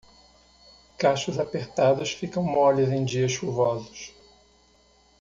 Cachos apertados ficam moles em dias chuvosos.